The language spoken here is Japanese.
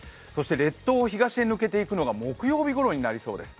列島を東へ抜けていくのが木曜日ごろになりそうです。